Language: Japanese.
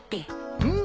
うん？